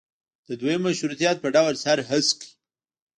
د دویم مشروطیت په ډول سر هسک کړ.